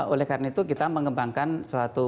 oleh karena itu kita mengembangkan suatu